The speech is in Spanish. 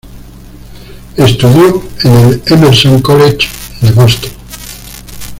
Estudió en el Emerson College de Boston.